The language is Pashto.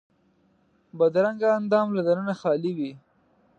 بدرنګه اندام له دننه خالي وي